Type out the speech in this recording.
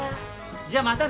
じゃあまたね。